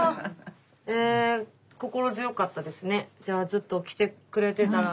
ずっと来てくれてたら。